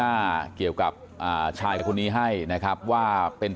มีกล้วยติดอยู่ใต้ท้องเดี๋ยวพี่ขอบคุณ